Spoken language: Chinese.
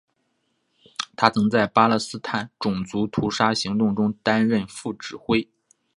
他曾在巴勒斯坦种族屠杀行动中担任副指挥。